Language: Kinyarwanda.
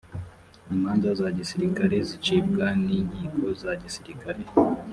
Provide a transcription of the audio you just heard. imanza zagisirikare zicibwa ninkiko za gisirikare